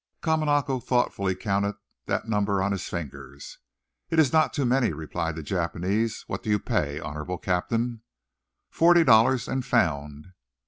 Kamanako thoughtfully counted that number on his fingers. "It is not too many," replied the Japanese. "What do you pay, honorable Captain?" "Forty dollars, and found."